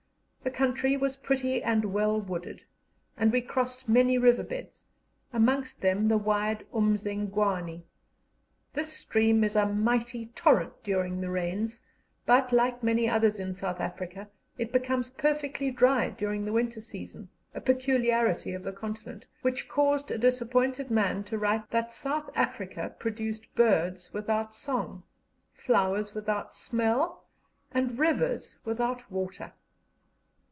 The country was pretty and well wooded, and we crossed many river beds, amongst them the wide Umzingwani. This stream is a mighty torrent during the rains, but, like many others in South Africa, it becomes perfectly dry during the winter season, a peculiarity of the continent, which caused a disappointed man to write that South Africa produced "birds without song, flowers without smell, and rivers without water."